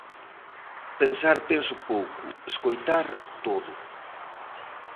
Pensar penso pouco, escoitar todo.